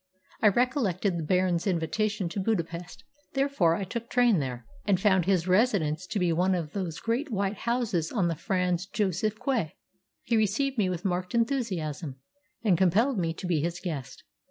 I recollected the Baron's invitation to Budapest, therefore I took train there, and found his residence to be one of those great white houses on the Franz Josef Quay. He received me with marked enthusiasm, and compelled me to be his guest.